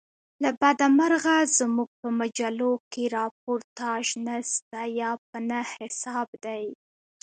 له بده مرغه زموږ په مجلوکښي راپورتاژ نسته یا په نه حساب دئ.